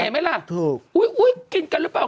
มันเหมือนอ่ะ